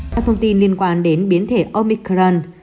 theo thông tin liên quan đến biến thể omicron